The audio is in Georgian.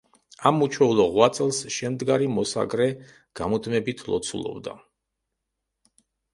ამ უჩვეულო ღვაწლს შემდგარი მოსაგრე გამუდმებით ლოცულობდა.